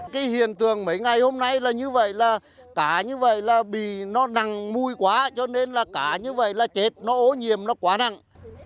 cái hiện tượng mấy ngày hôm nay là như vậy là cá như vậy là bị nó nặng mùi quá cho nên là cá như vậy là chết nó ô nhiễm nó quá nặng